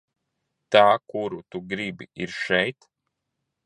Tā kuru tu gribi, ir šeit?